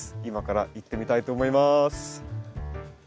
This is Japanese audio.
今から行ってみたいと思います。